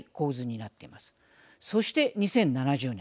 そして２０７０年。